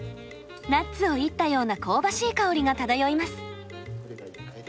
ナッツをいったような香ばしい香りが漂います。